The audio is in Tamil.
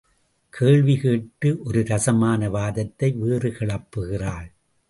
கேள்வி கேட்டு ஒரு ரசமான வாதத்தை வேறு கிளப்புகிறாள்.